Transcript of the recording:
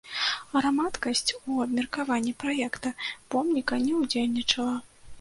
Грамадскасць у абмеркаванні праекта помніка не ўдзельнічала.